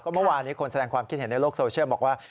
เมื่อวานนี้คนแสดงความคิดเห็นในโลกโซเชียลบอกว่า